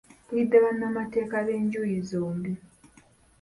Mpulidde bannamateeka b’enjuuyi zombi.